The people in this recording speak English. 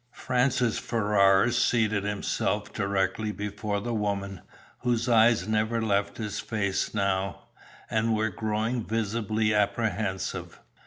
Francis Ferrars seated himself directly before the woman, whose eyes never left his face now, and were growing visibly apprehensive.